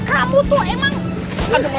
kamu tuh emang